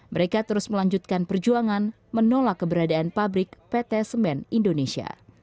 mereka terus melanjutkan perjuangan menolak keberadaan pabrik pt semen indonesia